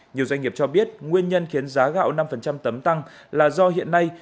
nhiều doanh nghiệp cho biết nguyên nhân khiến giá gạo năm tấm tăng là do hiện nay